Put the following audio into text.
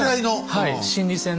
はい心理戦で。